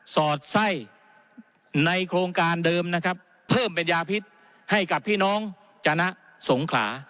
สอดไส้ในโครงการเดิมนะครับเพิ่มเป็นยาพิษให้กับพี่น้องจนะสงขลา